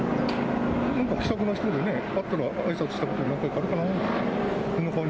なんか気さくな人でね、会ったらあいさつすること何回かあるかな。